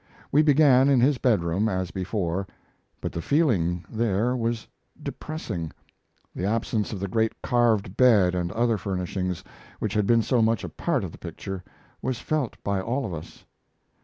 We began in his bedroom, as before, but the feeling there was depressing the absence of the great carved bed and other furnishings, which had been so much a part of the picture, was felt by all of us.